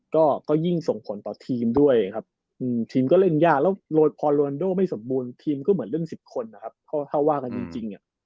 ก็ยิ่งส่งผลต่อทีมด้วยครับทีมก็เล่นยากแล้วพอโรนโดไม่สมบูรณ์ทีมก็เหมือนเล่น๑๐คนนะครับถ้าว่ากันจริง